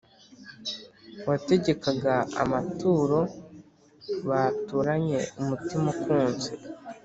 wategekaga amaturo baturanye umutima ukunze